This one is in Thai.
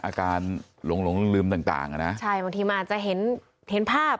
อาการหลงลืมต่างนะใช่บางทีมันอาจจะเห็นภาพ